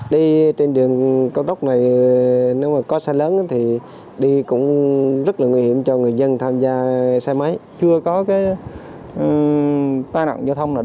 đi trên đường cao tốc này nếu mà có xe lớn thì đi cũng rất là nguy hiểm cho người dân